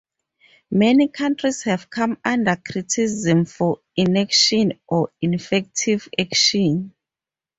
Many countries have come under criticism for inaction, or ineffective action.